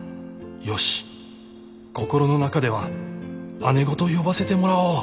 よし心の中では「姉御」と呼ばせてもらおう。